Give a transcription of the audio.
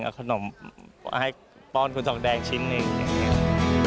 เอาขนมให้ป้อนคุณศักดิ์แดงชิ้นนึง